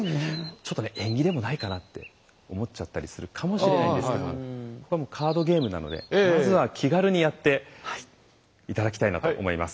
ちょっとね縁起でもないかなって思っちゃったりするかもしれないんですけどもカードゲームなのでまずは気軽にやって頂きたいなと思います。